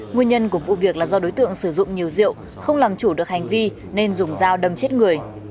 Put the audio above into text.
nguyên nhân của vụ việc là do đối tượng sử dụng nhiều rượu không làm chủ được hành vi nên dùng dao đâm chết người